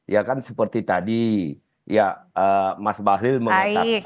ya kan seperti tadi ya mas bahlil mengatakan